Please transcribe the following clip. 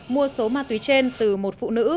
mua số ma túy trên từ một phụ nữ